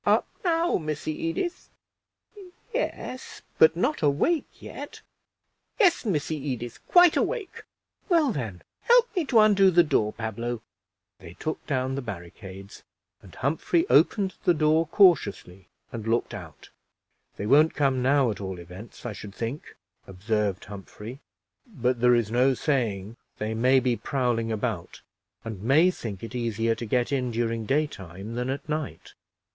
"Up now, Missy Edith." "Yes, but not awake yet." "Yes, Missy Edith, quite awake." "Well, then, help me to undo the door, Pablo." They took down the barricades, and Humphrey opened the door cautiously, and looked out. "They won't come now, at all events, I should think," observed Humphrey; "but there is no saying they may be prowling about, and may think it easier to get in during daytime than at night.